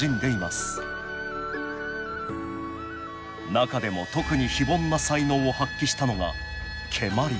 中でも特に非凡な才能を発揮したのが蹴鞠。